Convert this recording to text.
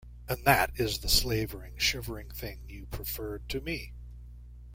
And that is the slavering, shivering thing you preferred to me!